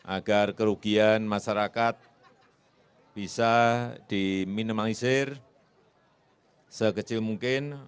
agar kerugian masyarakat bisa diminimalisir sekecil mungkin